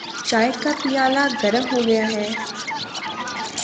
چائے کا پیالہ گرم ہوگیا ہے۔